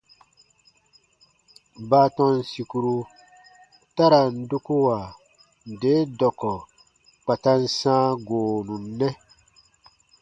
Baatɔn sìkuru ta ra n dukuwa nde dɔkɔ kpa ta n sãa goonu nɛ.